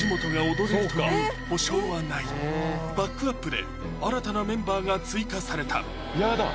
まだバックアップで新たなメンバーが追加されたやだ！